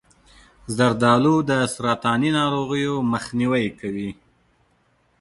زردآلو د سرطاني ناروغیو مخنیوی کوي.